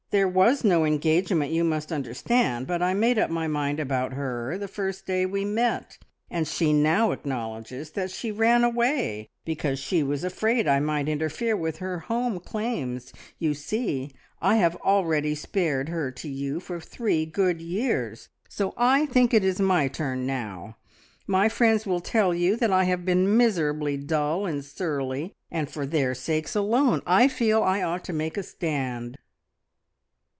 There was no engagement, you must understand, but I made up my mind about her the first day we met, and she now acknowledges that she ran away because she was afraid I might interfere with her home claims. You see, I have already spared her to you for three good years, so I think it is my turn now! My friends will tell you that I have been miserably dull and surly, and for their sakes alone I feel I ought to make a stand."